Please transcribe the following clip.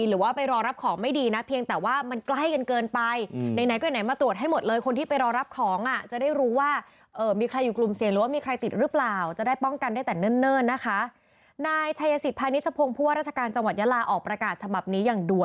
หรือว่าไปรอรับของไม่ดีนะเพียงแต่ว่ามันใกล้เกินไป